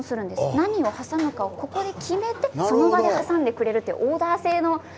何を挟むとか、ここで決めてその場で挟んでくれるというオーダー制の。